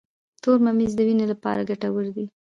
تور ممیز د وینې لپاره ګټور دي.